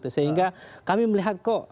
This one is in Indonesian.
sehingga kami melihat kok